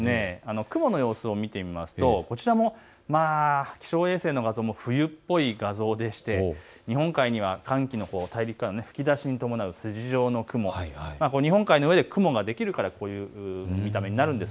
雲の様子を見てみますとこちらも、気象衛星の画像も冬っぽい画像でして日本海には寒気の吹き出しに伴う筋状の雲、日本海の上で雲ができるから、こういう見た目になります。